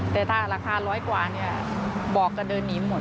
แต่ถ้าราคาร้อยกว่าเนี่ยบอกก็เดินหนีหมด